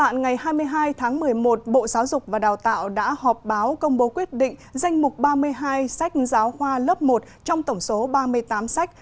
ngày hai mươi hai tháng một mươi một bộ giáo dục và đào tạo đã họp báo công bố quyết định danh mục ba mươi hai sách giáo khoa lớp một trong tổng số ba mươi tám sách